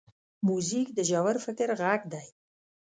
موزیک د ژور فکر غږ دی.